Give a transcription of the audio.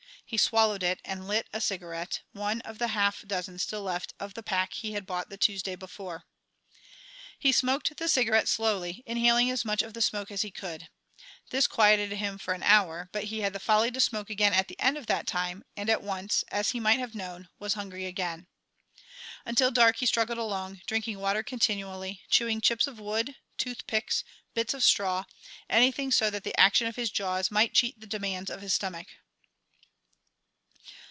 He swallowed it and lit a cigarette, one of the half dozen still left of the pack he had bought the Tuesday before. He smoked the cigarette slowly, inhaling as much of the smoke as he could. This quieted him for an hour, but he had the folly to smoke again at the end of that time, and at once as he might have known was hungry again. Until dark he struggled along, drinking water continually, chewing chips of wood, toothpicks, bits of straw, anything so that the action of his jaws might cheat the demands of his stomach.